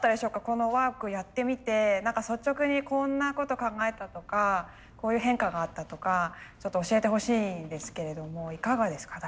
このワークやってみて何か率直にこんなこと考えたとかこういう変化があったとかちょっと教えてほしいんですけれどもいかがですか？